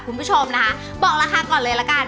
คุณผู้ชมนะคะบอกราคาก่อนเลยละกัน